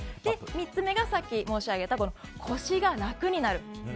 ３つ目がさっき申し上げて腰が楽になる。